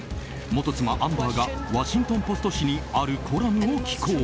元妻アンバーがワシントン・ポスト紙にあるコラムを寄稿。